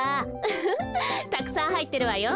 ウフフたくさんはいってるわよ。